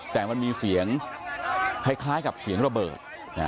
แต่มันมีเสียงคล้ายกับเสียงระเบิด